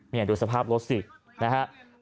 เนี่ยดูสภาพรถสิครับ